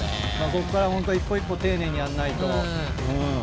ここからホント一歩一歩丁寧にやんないと。